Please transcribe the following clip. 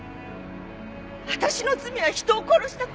私の罪は人を殺した事。